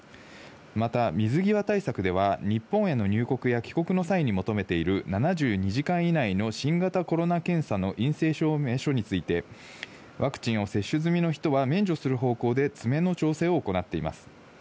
また水際対策では日本への入国や帰国の際に求めている７２時間以内の新型コロナ検査の陰性証明書について、ワクチンを接種済みの人は免除する方向で詰めの調整を行っています。